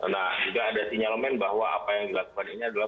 nah juga ada sinyalemen bahwa apa yang dilakukan ini adalah